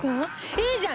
いいじゃん！